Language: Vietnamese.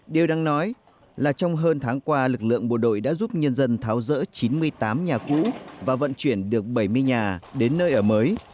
điều đáng nói là trong hơn tháng qua lực lượng bộ đội đã giúp nhân dân tháo rỡ chín mươi tám nhà cũ và vận chuyển được bảy mươi nhà đến nơi ở mới